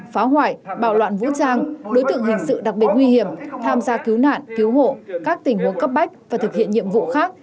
phá hoại bạo loạn vũ trang đối tượng hình sự đặc biệt nguy hiểm tham gia cứu nạn cứu hộ các tình huống cấp bách và thực hiện nhiệm vụ khác